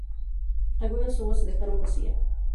Algunas tumbas se dejaron vacía.